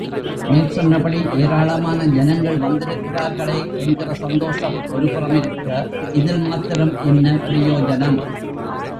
மேற்சொன்னபடி ஏராளமான ஜனங்கள் வந்திருக்கிறார்களே என்கிற சந்தோஷம் ஒரு புறம் இருக்க, இதில் மாத்திரம் என்ன பிரயோஜனம்.